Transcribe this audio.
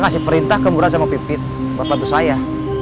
dia kasih perintah ke mura sama pipit buat bantu saya